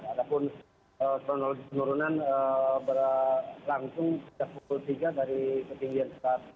ada pun kronologi penurunan berlangsung tiga puluh tiga dari ketinggian seratus